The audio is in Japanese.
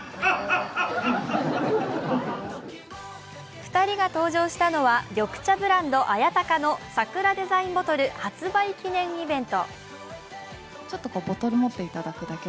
２人が登場したのは緑茶ブランド綾鷹の桜デザインボトル発売記念イベント。